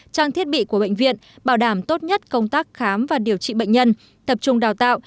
trang thiết bị của bệnh viện bảo đảm tốt nhất công tác khám và điều trị bệnh nhân tập trung đào tạo